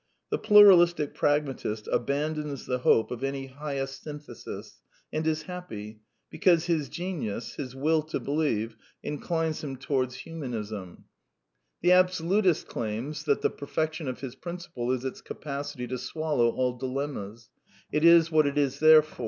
The pluralistic pragmatist abandons the hope of any highest synthesis, and is happy ; because his genius, his Will to believe, inclines him towards Humanism. The PKAGMATISM AKD HUMANISM 186 absolutist claims that the perfection of his principle is its capacity to swallow all dilemmas. It is what it is there for.